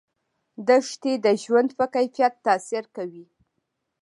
دښتې د ژوند په کیفیت تاثیر کوي.